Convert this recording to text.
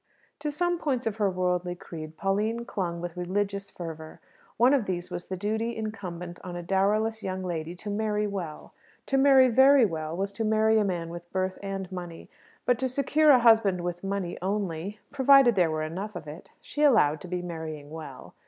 To some points of her worldly creed Pauline clung with religious fervour. One of these was the duty incumbent on a dowerless young lady to marry well. To marry very well was to marry a man with birth and money; but to secure a husband with money only provided there were enough of it she allowed to be marrying well.